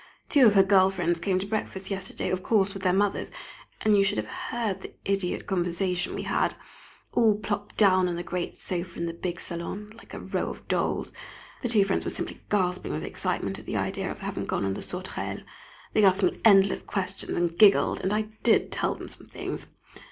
Two of her girl friends came to breakfast yesterday, of course with their mothers, and you should have heard the idiot conversation we had! All plopped down on the great sofa in the big salon, like a row of dolls. The two friends were simply gasping with excitement at the idea of my having gone on the Sauterelle. They asked me endless questions, and giggled, and I did tell them some things!